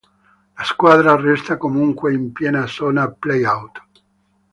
La squadra resta comunque in piena zona play-out.